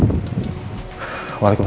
selamat tinggal pak